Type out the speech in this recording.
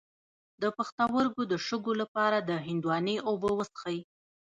د پښتورګو د شګو لپاره د هندواڼې اوبه وڅښئ